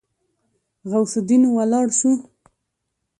غوث الدين ولاړ شو.